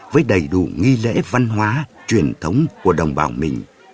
với đầy đủ nghi lễ văn hóa truyền thống của đồng bào mình